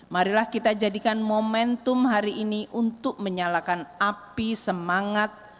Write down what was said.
marilah kita jadikan momentum hari ini untuk menyalakan api semangat